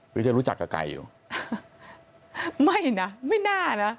หรือจะรู้จักกับไก่อยู่ไม่นะไม่น่านะ